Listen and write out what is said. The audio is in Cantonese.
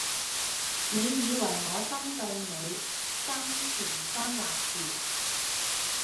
你以為我針對你,爭權爭話事呀?